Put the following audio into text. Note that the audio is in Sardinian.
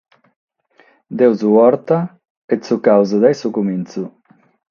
Damus borta e tzucamus dae su cumintzu.